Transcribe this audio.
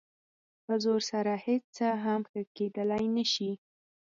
په زور سره هېڅ څه هم ښه کېدلی نه شي.